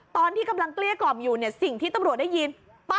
ตอนที่กำลังเกลี้ยกล่อมอยู่เนี่ยสิ่งที่ตำรวจได้ยิน